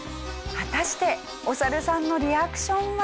果たしておサルさんのリアクションは？